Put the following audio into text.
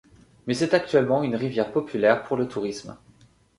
Mais c'est actuellement une rivière populaire pour le tourisme.